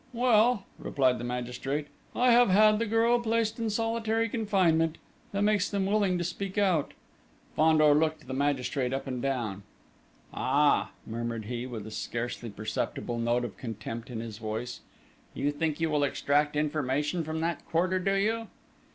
"Well," replied the magistrate, "I have had the girl placed in solitary confinement that makes them willing to speak out!...." Fandor looked the magistrate up and down. "Ah!" murmured he, with a scarcely perceptible note of contempt in his voice: "You think you will extract information from that quarter, do you?"